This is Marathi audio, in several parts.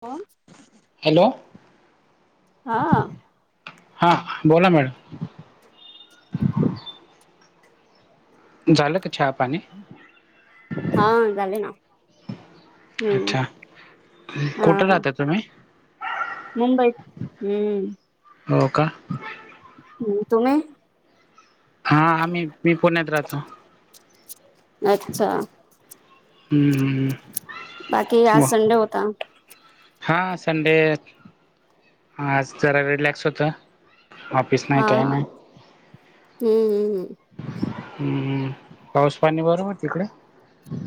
कोण. हॅलो. हा. हा, बोला मॅडम. झालं का, चहा, पाणी. हा, झाले ना. हम्म अच्छा, हा कुठे राहताय तुम्ही? मुंबईत. हम्म. हो का. हम्म, तुम्ही? हा आम्ही, मी पुण्यात राहतो. अच्छा बाकी हम्म-हम्म-हम्म आज वा. संडे होता हा संडे, आज जरा रिलॅक्स होतं. ऑफिस नाही हा, काय नाही हम्म-हम्म-हम्म. हम्म-हम्म पाऊस, पाणी बरोबर तिकडे.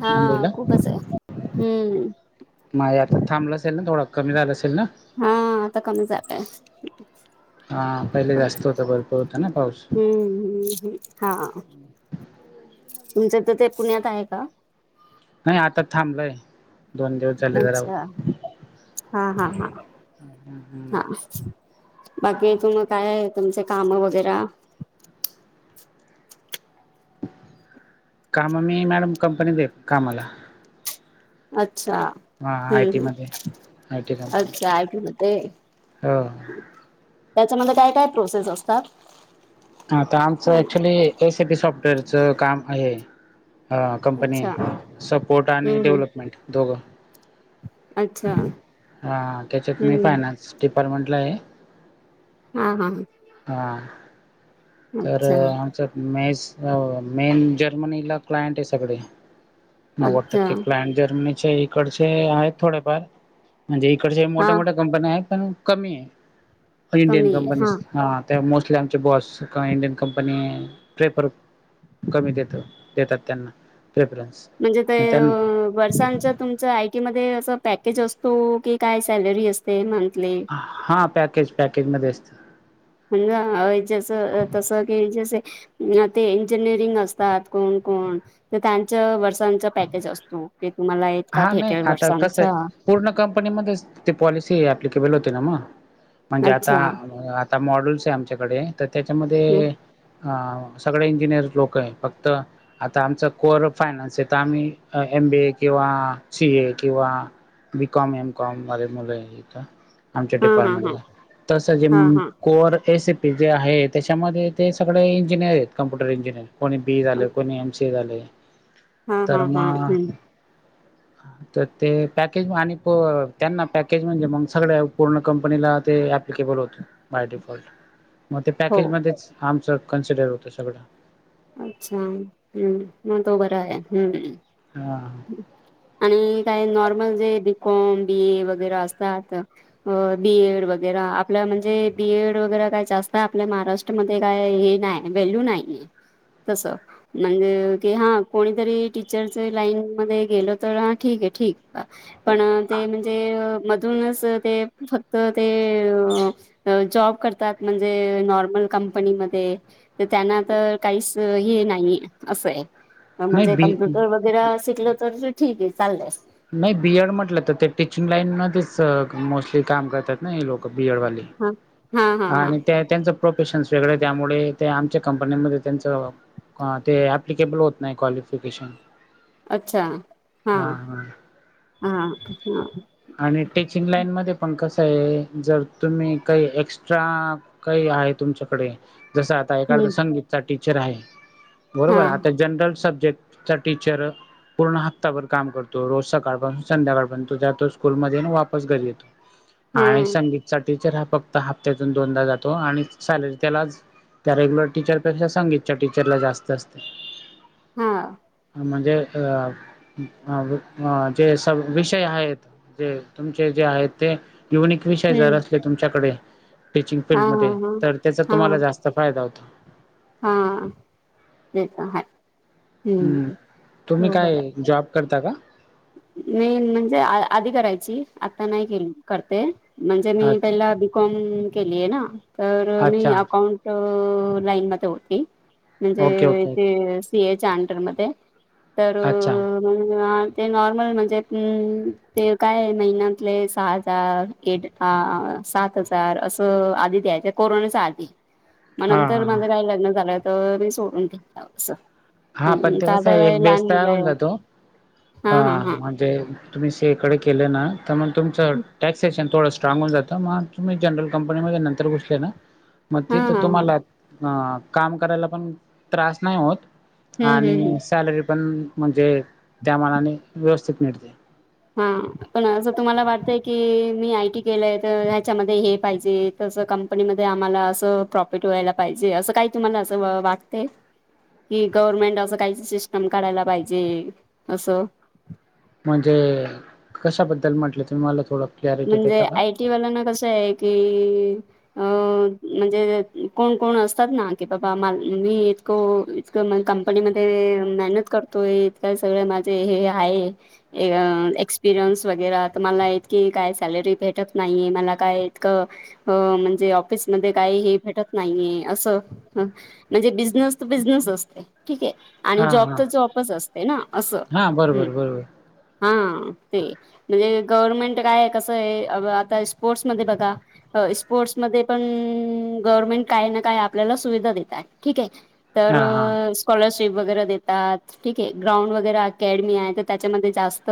हा मुंबईला खूपच आहे. हम्म. नाही आता, थांबलं असेल ना, थोडं कमी झालं असेल ना. हा आता कमी जात आहे. हां पहिले हम्म, जास्त होतं भरपूर होतं ना पाऊस हम्म-हम्म-हम्म. हा, तुमच्या तिथे पुण्यात आहे का? नाही आताच थांबलंय, दोन दिवस झाले जरा अच्छा, हम्म. हा-हा-हा हा, बाकी तुम्ही काय आहे? तुमचे काम वगैरे. काम मी मॅडम, कंपनीत आहे कामाला. अच्छा, हा आय टी हम्म-हम्म मध्ये आय टी कंपनीत अच्छा, आय-टी मध्ये. हो. त्याच्यामध्ये काय काय प्रोसेस असतात? आता आमचं actually S A P software च काम आहे. हा कंपनी अच्छा सपोर्ट आणि हम्म हम्म डेव्हलपमेंट दोघं. अच्छा हा त्याच्यात मी हम्म. फायनान्स डिपार्टमेंटला आहे. हां हां हां. हा. तर अच्छा, आमच मेस अ मेन जर्मनीला क्लायंट आहे सगळे. नव्वद अच्छा. टक्के क्लायंट जर्मनीचे. इकडचे आहेत थोडेफार. म्हणजे इकडच्या मोठ्या हां, मोठ्या कंपन्या आहेत पण कमी आहे. इंडियन कमी आहे. कंपनी हां. हा. त्या मोस्टली आमचे बॉस किंवा इंडियन कंपनी प्रेपर कमी देत देतात त्यांना प्रेफरन्स. म्हणजे ते मग त्यां आं वर्षांच्या तुमचं आय टीमध्ये असं पॅकेज असतो की काय सॅलरी असते मंथली? हा पॅकेज पॅकेजमध्ये असतं. म्हणज अ जस तस की जस ते इंजिनिअरिंग असतात कोण कोण ते त्यांच्या वर्ष च पॅकेज असतो. ते तुम्हाला इतका हा नाही भेटेल आता कसं वर्षांचा. आहे पूर्ण कंपनीमध्येच ते पॉलिसी ऍप्लिकेबल होती ना म. म्हणजे आता अच्छा. आता मॉडल्स आहे आमच्याकडे त हं. त्याच्यामध्ये अ सगळे इंजिनिअर लोक आहे. फक्त आता आमचा कोअर फायनान्स त आम्ही एम बी ए किंवा सी ए किंवा बी कॉम, एम कॉमे वाले मुल आहे इथं. आमच्या हां, हां, हां. डिपार्टमेंटला. तस जे हां, अं हां. कोर ए सी ती जे आहे, त्याच्यामध्ये ते सगळे इंजिनिअर आहेत. Computer engineer. कोणी बी इ झाल. कोणी एम सी ए झाले. हां, तर हां, म हां. [inaudible] तर ते पॅकेज आणि प त्यांना पॅकेज म्हणजे म सगळ्या पूर्ण कंपनीला ते एप्लिकेबल होत, बाय डिफॉल्ट. मग ते हो. पॅकेज मध्येच आमचं कन्सिडर होत सगळं. अच्छा! हं. म तो बरा आहे. हं. हा आणि काही नॉर्मल जे बी कॉम, बी ए वगैरे असतात अ बी एड वगैरा आपल्या म्हणजे बी एड वगैरा काय जास्त आहे आपल्या महाराष्ट्र मध्ये काय हे नाही. वेल्यू नाही. तस. म्हणजे की हा कोणीतरी टीचरच लाईन गेलं तर ठीके ठीक. पण ते म्हणजे तून अस ते, फक्त ते अ अ जॉब करतात. म्हणजे नॉर्मल कंपनीमध्ये. तर त्यांना तर काहीच हे नाही असं आहे. नाही म्हणजे बी कमप्युटर वगैरे शिकलं तर ठीक आहे, चालतय. नाही बी एड म्हटलं तर ते टीचिंग लाईन मध्येच मोस्टली काम करतात ना हे लोक. बि एड वाले हा हा हा हा आणि त्या त्यांच प्रोफेशनस वेगळे त्यामुळे आमच्या कंपनी्यांमध्ये त्यांच अ ते ऍप्लिकेबल होत नाही क्वालिफिकेशन. अच्छा! हां हां हां. आणि टीचिंग लाईन मध्ये पण कस आहे जर तुम्ही काही एक्स्ट्रा.. काही आहे तुमच्याकडे जस आ हम्म एखादा संगीत चा टीचर आहे, हा बरोबर आता जनरल सब्जेक्ट टीचर पूर्ण हप्ताभर काम करतो. रोज सकाळपासून संध्याकाळपर्यत जातोच. स्कूल मध्ये आणि वापस घरी येतो आणि हम्म संगीत टीचर हा हप्ता हप्त्यातून दोनदा जातो आणि सॅलरी त्यालाच त्या रेग्युलर टीचरपेक्षा संगीतच्या टीचरला जास्त असते. हा म्हणजे अ जे स विषय आहेत. जे तुमचे जे आहेत ते युनिक विषय जर हम्म असले तुमच्याकडे. टीचिंग हा फीलडमध्ये हा तर त्याचा हा तुम्हाला हा जास्त फायदा होता. हा ते तर आहे. हम्. हम्म तुम्ही काय जॉब करता का? नाही म्हणजे आधी करायची आता नाही केल करते. म्हणजे मी अच्छा पहिला बीकॉम केलीय ना तर मी अच्छा अकाउंट अ. लाईन मध्ये होती ओके म्हणजे ओके ओके ते सी. ए. च्या, अंडरमध्ये तर अच्छा ते नॉर्मल म्हणजे ते काय, महिन्यातले सहा हजार एट. हा सात हजार अस, आधी द्यायच कोरोनाचा आधी मग हा हा नंतर माझ हा काय लग्न झाल, तर मी सोडून दिल अस. हा हम्म् पण हम ते कसं दादा आहे हे, एक लहान बेस तयार मुलं होऊन आहेत. जातो हा म्हणजे तुम्ही सी. ए. कडे केले ना, तर मग तुमच टॅक्सेश थोड स्ट्रांग होऊन जात. मग तुम्ही जनरल कंपनी मध्ये, नंतर घुसले ना मग हा तिथ हा हा तुम्हाला अ काम करायला पण त्रास नाही होत. हम्म हम्म हम्म. आणि सॅलरी पण म्हणजे, त्या मानाने व्यवस्थित मिळते. हा. पण अस तुम्हाला वाटतय की, मी आय टी केलंय तर ह्याच्यामध्ये हे पाहिजेत तस कंपनीमध्ये आम्हाला अस प्रॉफिट व्हायला पाहिजे, अस काही तुम्हाला अस वाटते? कि गव्हर्नमेंट अस काहीच सिस्टम काढायला पाहिजे, अस. म्हणजे कशाबद्दल म्हटल, तुम्ही मला थोड म्हणजे आयटी वाल्याना, कस आहे की अ. म्हणजे कोण कोण असतात ना की, बाबा मी हो, इतक म कंपनी मध्ये मेहनत करतोय इतक माझे हे-हे आहे एक्सपिरियन्स वगैरा तर मला इतक. काय सॅलरी भेटत नाहीये, मला काय इतक. हो. म्हणजे ऑफिसमध्ये काही हे भेटत नाहीये अस. म्हणजे बिझनेस तर बिझनेस असतय, ठीके. आणि हा जॉब हा तर जॉबच असते ना अस. हा ह् बरोबर बरोबर हा, ते म्हणजे गवर्मेंट काय आहे, कस आहे आता स्पोर्ट्स मध्ये बघा स्पोर्ट्समध्ये पण गव्हर्मेंट काय ना काय आपल्याला सुविधा देतात, ठीक आहे. तर हा हा स्कॉलरशिप वगैरे देतात. ठीके. ग्राउंड वगैरे अकॅडमी आहे, तर त्याच्यामध्ये जास्त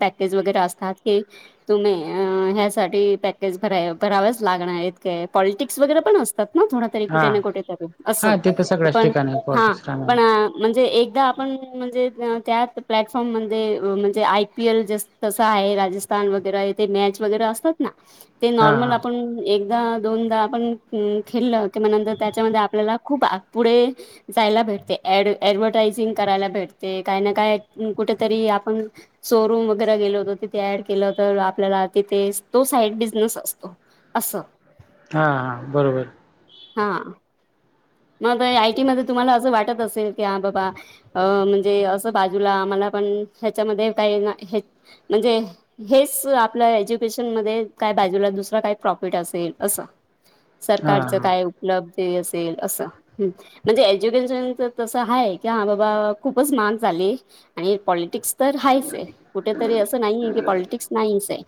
पॅकेज वगैरे असतात की तुम्ही ह्यासाठी, पॅकेज भरा-भरावच लागणार हेते. पॉलटिक्स वगैरे पण, असतात ना थोडं? तरी कुठे हा ना, कुठे तरी अस, हा ते तर सगळ्याच पण ठिकाणी आहे हा, पॉलिटिक्स रामायण पण म्हणजे एकदा आपण म्हणजे, त्या प्लॅटफॉर्म मध्ये म्हणजे आय. पी. एल. जे तसं आहे. राजस्थान वगैरे आहे ते मॅच वगैरे असतात ना ते हा नॉर्मल हा आपण एकदा दोनदा आपण न खेलं की, म नंतर त्याच्यामध्ये आपल्याला खूप आ पुढे जायला भेटते एड ऍडव्हरटायजिंग करायला भेटते, काय ना काय कुठेतरी आपण शोरूम वगैरे गेले होतो तिथे ऍड केलं तर, आपल्याला तिथे तो साईड बिझनेस असतो असं. हा हा बरोबर. हा म बय आय टी मध्ये तुम्हाला असं वाटत असेल. कि हा बाबा अं म्हणजे असं बाजूला आम्हाला पण ह्याच्यामध्ये काही. म्हणजे? हेच आपल्या एज्युकेशन मध्ये काय बाजूला दुसरा काय प्रॉफिट असेल असं. हा सरकारचं हा काय उपलब्धी असेल. असं म्हणजे एज्युकेशनच तसं आहे की हा बाबा खूपच महाग झाली. आणि पॉलिटिक्स तर हायच हे कुठेतरी असं नाहीय की, पॉलिटिक्स नाहीच हे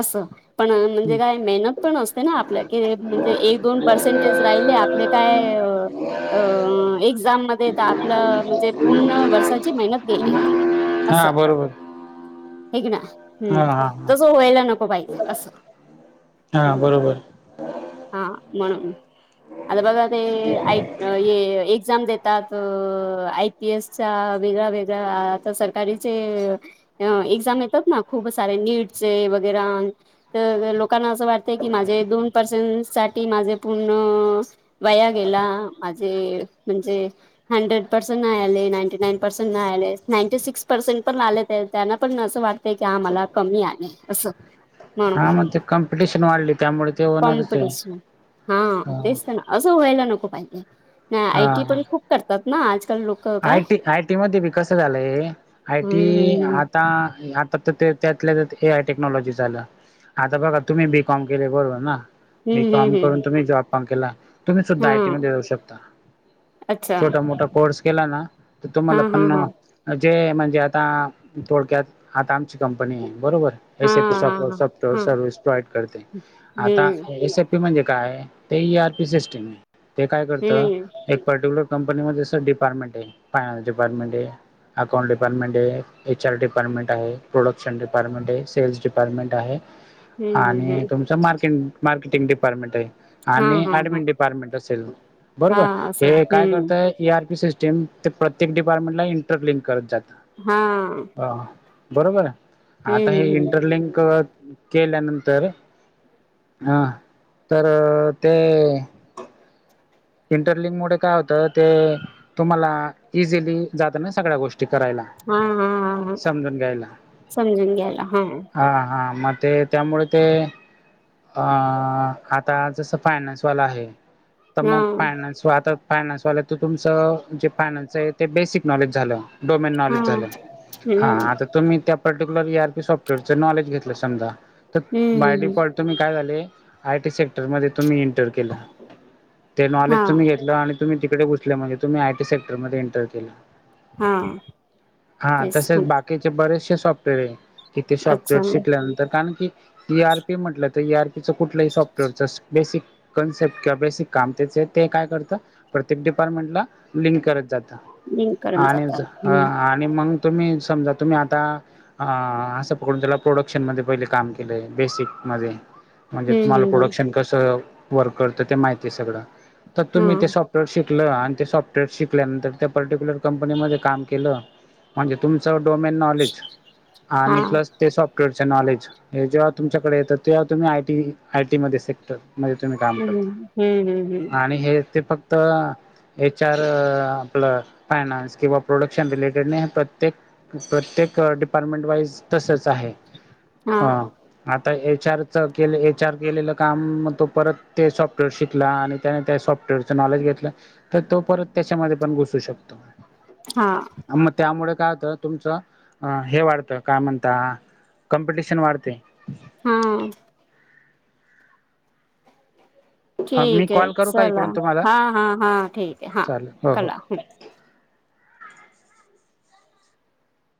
असं. पण म्हणजे काय मेहनत पण असते ना आपल्या काय म्हणजे एक दोन पर्सेंटेज राहिले आपले काय. येव. अं एक्झाम मध्ये तर आपलं म्हणजे पूर्ण वर्षाची मेहनत गेली. हा बरोबर. हेकी ना हूं हा हा हा तसं व्हायला नको पाहिजे असं हा हूं. बरोबर हा म्हणून आता बघा ते येक ए एक्झाम देत तात आय पी एसच्या वेगळ्या वेगळ्या आता सरकारीचे. अ एक्झाम येतात ना खूप सारे नीटचे वगैरा. तर लोकांना असं वाटतंय की माझे दोन पर्सेंट साठी माझे पूर्ण. वाया गेला माझे म्हणजे. हंड्रेड पर्सेंट नाही आले, नाईंटी नाईन पर्सेंट नाही आले, नाईंटी सिक्स पर्सेंट पण आले ते त्यांना पण असं वाट ते की आम्हाला कमी आले असं. म हा मग ते कॉम्पिटिशन वाढली त्यामुळे ते होणारच आहे कॉम्पिटिशन हा तेस्ना. असं व्हायला नको पाहिजे, ना आयटी पण खूप करतात ना आजकाल लोक. काय आयटी, आयटी मध्ये बी कसं झालंय आयटी हम्म हम्म आत ता, आता त ते त्यातल्या ए आय टेक्नॉलॉजीच आलं. आता बघा तुम्ही बीकॉम केले बरोबर ना, बीकॉम करून हम्म. तुम्ही जॉब पण केला. तुम्ही हम्म हम्म सुद्धा आयटी हम्म हा मध्ये जाऊ शकता अच्छा छोटा मोठा कोर्स केला ना. त हा तुम्हाला हा पण हा जे म्हणजे आता थोडक्यात आता आमची कंपनी आहे बरोबर. हा एस पी हा हा. सॉफ्ट सॉफ्टवेअर हा सर्विस प्रोवाइड करते आता हम्म एस पी म्हणजे काय ते ईआरपी सीस्टीम हे ते काय करत हम्म एक पर्ट्युलर कंपनीमध्ये अस डिपार्टमेंट आहे फायनानस डिपार्टमेंट हे अकाउंट डिपार्टमेंट हे, एच आर डीपार्टमेंट आहे, प्रोडक्शन डिपार्टमेंट हे, सेल्स डिपार्टमेंट आहे [inaudible] हम्म आणि तुमचं मार्रकी, मार्केटिंग डिपार्टमेंट आहे. आणि हम्म हम्म. हा हा ऍडमिंन डिपार्टमेंट असेल हा बरोबर हा असं हे काय हम्म करतय ईआरपी सिस टीम ते प्रत्येक डिपार्टमेंट ला इंटर लिंक करत जात. हा! अ हा बरोबर आता हम्म हे हम्म हम्म. इंटरलिंक करत केल्यानंतर ह तर ते. इंटरलिंक मूळ काय होतं, ते तुम्हाला इझिली जात ना सगळ्या गोष्टी करायला. हा-हा-हा समजून समजून घ्याला, हा. हा-हा मग ते त्यामुळे ते अ, आता जस फायनान्सवाला आहे. तर हा मग फायनान्स वा आता फायनान्सवाल्या त तुमचं जे फायनान्स आहे, ते बेसिक नॉलेज झालं. डोमेन हम्म. नॉलेज झालं, हा हम्म आता तुम्ही त्या पर्टिक्युल ली ई-र-पी सॉफ्टवेअरच नॉलेज घेतलं समजा, तर बय हम्म डिफॉल्ट तुम्ही काय झालंय, आय-टी सेक्टर मध्ये तुम्ही इंटर केला, ते नॉलेज हा तुम्ही आणि तुम्ही तिकडे गुसल्या म्हणे, तुम्ही आय-टी सेक्टर मध्ये एंटर केला. हा हा तेच तसेच हं. बाकीचे बरेचसे सॉफ्टवेअर आहे. तिथे सॉफ्टवेअर अच्छा शिकल्यानंतर कारण की इ-आर-पी म्हटलं. इ-आर-पी च कुठलंही सॉफ्टवेअरच बेसिक कन्सेप्ट किंवा बेसिक काम त्याचे ते काय करतं प्रत्येक डिपार्टमेंट ला लिंक करत जातं. लिंक करून जातात. हम्म आणि-आणि मग तुम्ही समजा तुम्ही आता अ असं कुठल्या प्रोडक्शन मध्ये पहिले काम केलं, बेसिक मध्ये. म्हणजे हम्म तुम्हाला हम्म प्रोडक्शन कसं वर्क करतं ते माहितीय आहे सगळं, तर तुम्ही ते स हम्म सअर शिकलं आणि ते सॉफ्टवेअर शिकल्यानंतर त्या पर्टिक्युलर कंपनीमध्ये काम केलं. म्हणजे तुमचं डोमेन नॉलेज हा आणि हा प्लस ते सॉफ्टवेअर नॉलेज हे जेव्हा तुमच्याकडे येतं तेव्हा तुम्ही आय-टी, आय-टी मध्ये सेक्टर, मध्ये तुम्ही काम हम्म हम्म हम्म हम्म करता आणि हे ते फक्त त एच-आर अ आपलं फायनान्स, किंवा प्रोडक्शन रिलेटेड प्रत्येक प्रत्येक डिपार्टमेंट वाईज तसच आहे. हा ह एच-आर. के एच-आर केलेलं काम मग तो परत ते सॉफ्टवेअर शिकला, आणि त्याने त्या सॉफ्टवेअरच नॉलेज घेतलं. तर तो परत त्याच्यामध्ये पण घुसू शकतो. हा. मग त्यामुळे काय होतं, तुमचं अ हे वाढतं, काय म्हणता कॉम्पिटिशन वाढते. हा. मी ठीक आहे, कॉल करू का चला, इकडून तुम्हाला हा-हा-हा ठीक हाय, हा चालेल हो हो कला.